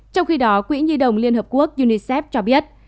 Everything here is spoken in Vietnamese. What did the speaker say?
trong khi đó quỹ nhi đồng liên hợp quốc unicef cho biết